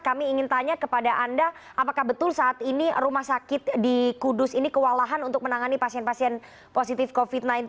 kami ingin tanya kepada anda apakah betul saat ini rumah sakit di kudus ini kewalahan untuk menangani pasien pasien positif covid sembilan belas